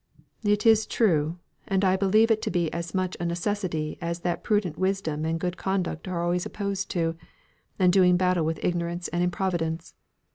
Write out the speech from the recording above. "It is true; and I believe it to be as much a necessity as that prudent wisdom and good conduct are always opposed to, and doing battle with ignorance and improvidence.